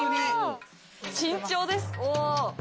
慎重です。